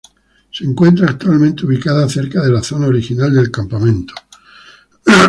Se encuentra actualmente ubicada cerca de la zona original del campamento.